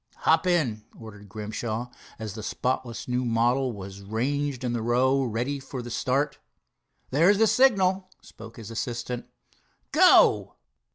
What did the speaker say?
"Hop in," ordered Grimshaw, as the spotless new model was ranged in the row ready for the start. "There's the signal," spoke his assistant. "Go!"